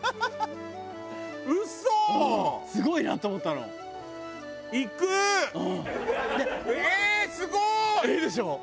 すごい！いいでしょ！